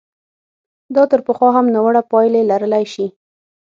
دا تر پخوا هم ناوړه پایلې لرلای شي.